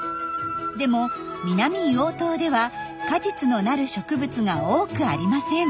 でも南硫黄島では果実のなる植物が多くありません。